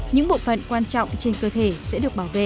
những bộ phận quan trọng trên cơ thể sẽ được bảo vệ